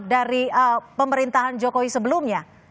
dari pemerintahan jokowi sebelumnya